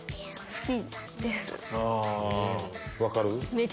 分かる？